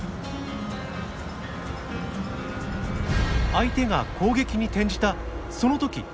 相手が攻撃に転じたその時。